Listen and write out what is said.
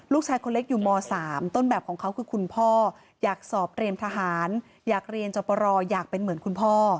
ลูกชายคนเล็กอยู่ม๓ต้นแบบของเขาคือคุณพ่ออยากสอบเรียนทหารอยากเรียนจบรออยากเป็นเหมือนคุณพ่อ